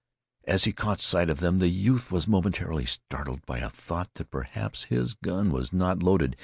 As he caught sight of them the youth was momentarily startled by a thought that perhaps his gun was not loaded.